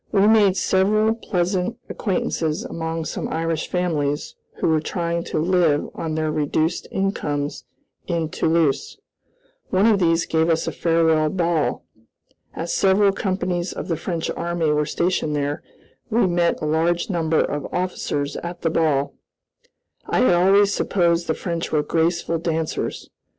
We made several pleasant acquaintances among some Irish families who were trying to live on their reduced incomes in Toulouse. One of these gave us a farewell ball. As several companies of the French army were stationed there, we met a large number of officers at the ball. I had always supposed the French were graceful dancers.